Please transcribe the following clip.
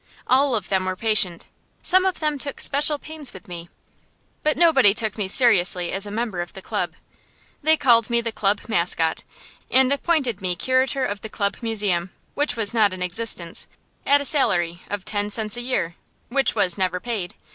All of them were patient; some of them took special pains with me. But nobody took me seriously as a member of the club. They called me the club mascot, and appointed me curator of the club museum, which was not in existence, at a salary of ten cents a year, which was never paid.